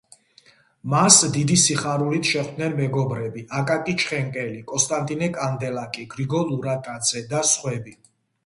მას დიდი სიხარულით შეხვდნენ მეგობრები: აკაკი ჩხენკელი, კონსტანტინე კანდელაკი, გრიგოლ ურატაძე და სხვები.